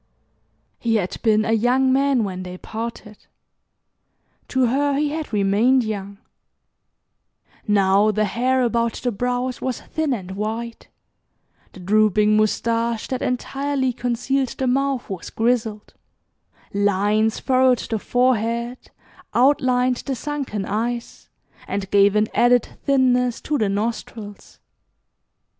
He had been a young man when they parted. To her he had remained young. Now the hair about the brows was thin and white, the drooping mustache that entirely concealed the mouth was grizzled; lines furrowed the forehead, outlined the sunken eyes, and gave an added thinness to the nostrils.